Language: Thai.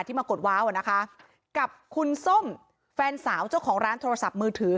มากดว้าวอ่ะนะคะกับคุณส้มแฟนสาวเจ้าของร้านโทรศัพท์มือถือ